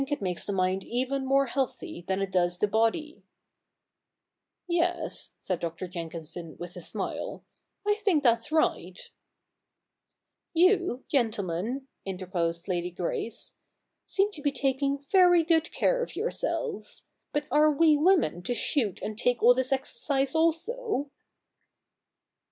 ii] THE NEW REPUBLIC 219 makes the mind even more healthy than it does the body.' ' Yes,' said Dr. Jenkinson with a smile, ' I think that's right.' 'You, gentlemen,' interposed Lady Grace, 'seem to be taking very good care of yourselves ; but are we women to shoot and take all this exercise also